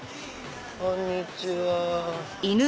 こんにちは。